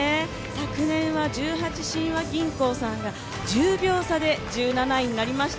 昨年は十八親和銀行さんが１０秒差で１７位になりました。